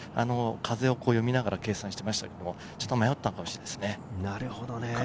風を読みながら計算していましたが、ちょっと迷ったかもしれないですね。